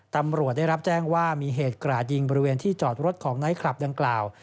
ตำรวจได้รับแจ้งว่ามีเหตุกราดยิงบริเวณที่จอดรถของไนท์คลับดังกล่าว